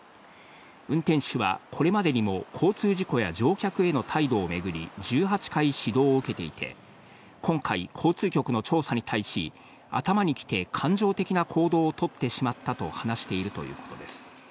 運転手はこれまでにも、交通事故や乗客への態度を巡り１８回指導を受けていて、今回、交通局の調査に対し頭にきて感情的な行動を取ってしまったと話しているということです。